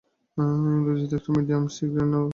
ইংরেজিতে এটি medium sea green নামে পরিচিত।